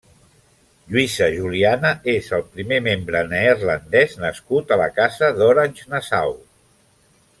Lluïsa Juliana és el primer membre neerlandès nascut a la Casa d'Orange-Nassau.